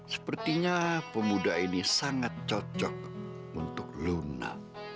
sepertinya pemuda ini sangat cocok untuk luna